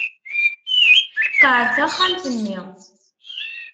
Qɛed taxxamt-nni.